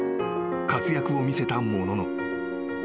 ［活躍を見せたものの］